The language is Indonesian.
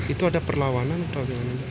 itu ada perlawanan atau gimana